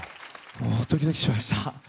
もうドキドキしました。